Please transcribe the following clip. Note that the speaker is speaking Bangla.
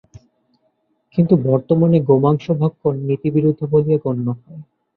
কিন্তু বর্তমানে গোমাংস-ভক্ষণ নীতিবিরুদ্ধ বলিয়া গণ্য হয়।